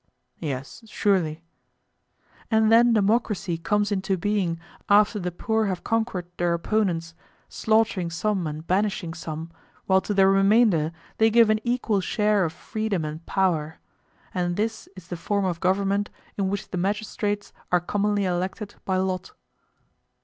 Yes, surely. And then democracy comes into being after the poor have conquered their opponents, slaughtering some and banishing some, while to the remainder they give an equal share of freedom and power; and this is the form of government in which the magistrates are commonly elected by lot.